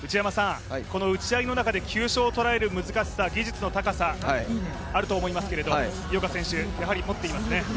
この打ち合いの中で急所を捉える難しさ、技術の高さ、あると思いますが井岡選手、やはり持っていますね。